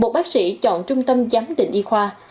một bác sĩ chọn trung tâm giám định y khoa